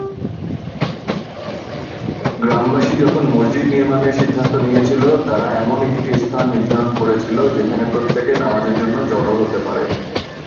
গ্রামবাসী যখন মসজিদ নির্মাণের সিদ্ধান্ত নিয়েছিল, তারা এমন একটা স্থান নির্ধারণ করেছিল, যেখানে প্রত্যেকে নামাজের জন্য জড়ো হতে পারে।